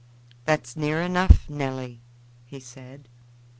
"That's near enough, Nelly," he said.